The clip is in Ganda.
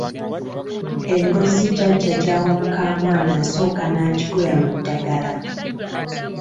Engozi jjajja gy’awa mukamwana asooka n’agigoya mu ddagala